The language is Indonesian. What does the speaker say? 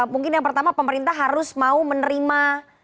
mungkin yang pertama pemerintah harus mau menerima